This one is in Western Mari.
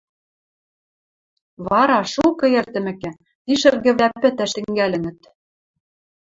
— Вара, шукы эртӹмӹкӹ, ти шӹргӹвлӓ пӹтӓш тӹнгӓлӹнӹт».